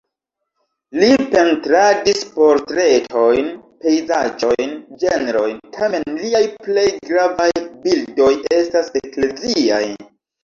Li pentradis portretojn, pejzaĝojn, ĝenrojn, tamen liaj plej gravaj bildoj estas ekleziaj.